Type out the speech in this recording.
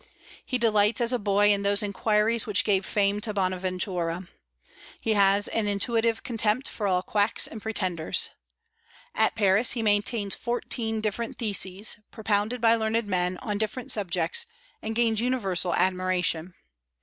He delights, as a boy, in those inquiries which gave fame to Bonaventura. He has an intuitive contempt for all quacks and pretenders. At Paris he maintains fourteen different theses, propounded by learned men, on different subjects, and gains universal admiration.